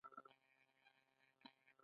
نن جهالت په ملي ویاړ بدل شوی.